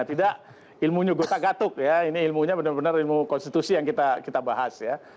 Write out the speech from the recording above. tidak ilmunya gotak gatuk ya ini ilmunya benar benar ilmu konstitusi yang kita bahas ya